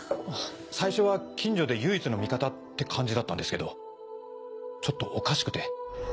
最初は近所で唯一の味方って感じだったんですけどちょっとおかしくて。